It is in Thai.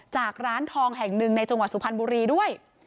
ร้านทองแห่งหนึ่งในจังหวัดสุพรรณบุรีด้วย